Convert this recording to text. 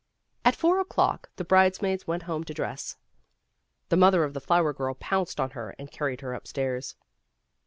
At four o'clock the bridesmaids went home to dress. The mother of the flower girl pounced on her and carried her upstairs.